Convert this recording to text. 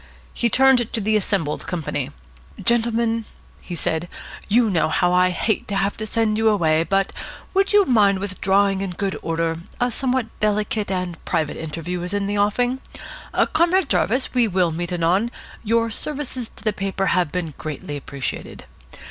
He turned to the assembled company. "Gentlemen," he said, "you know how I hate to have to send you away, but would you mind withdrawing in good order? A somewhat delicate and private interview is in the offing. Comrade Jarvis, we will meet anon. Your services to the paper have been greatly appreciated.